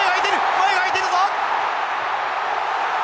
前が空いているぞ！